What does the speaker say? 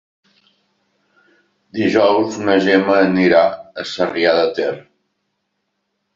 Dijous na Gemma anirà a Sarrià de Ter.